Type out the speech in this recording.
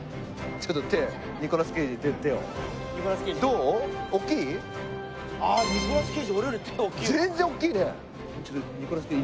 ちょっとニコラス・ケイジいい？